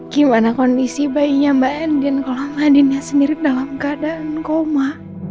gimana kondisi bayinya mbak endin kalau ngandinya sendiri dalam keadaan koma